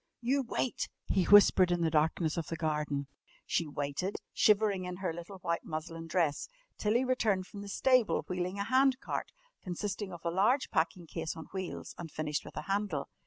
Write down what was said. "You wait!" he whispered in the darkness of the garden. She waited, shivering in her little white muslin dress, till he returned from the stable wheeling a hand cart, consisting of a large packing case on wheels and finished with a handle.